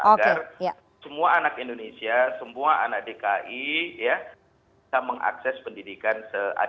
agar semua anak indonesia semua anak dki ya bisa mengakses pendidikan seadilat ini